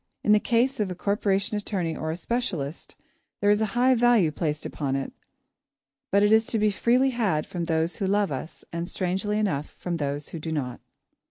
In the case of a corporation attorney or a specialist, there is a high value placed upon it, but it is to be freely had from those who love us, and, strangely enough, from those who do not.